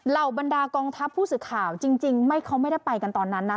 บรรดากองทัพผู้สื่อข่าวจริงเขาไม่ได้ไปกันตอนนั้นนะ